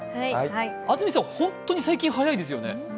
安住さん、本当に最近早いですよね。